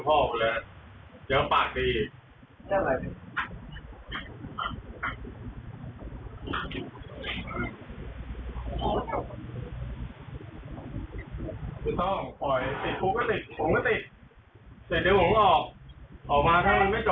เสร็จเดี๋ยวผมออกออกมาถ้ามันไม่จบผมก็เอาอีก